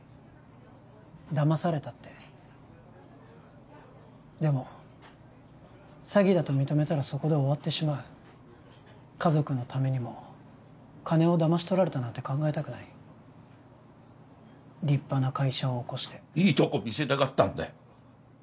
だまされたってでも詐欺だと認めたらそこで終わってしまう家族のためにも金をだまし取られたなんて考えたくない立派な会社を起こしていいとこ見せたかったんだよ